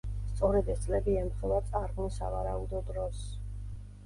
სწორედ ეს წლები ემთხვევა წარღვნის სავარაუდო დროს.